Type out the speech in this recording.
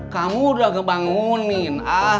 kamu udah ngebangunin